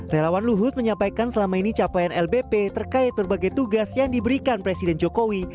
relawan luhut menyampaikan selama ini capaian lbp terkait berbagai tugas yang diberikan presiden jokowi